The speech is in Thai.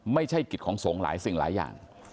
ไม่ใช่กิจของสงฆ์หลายสิ่งหลายอย่าง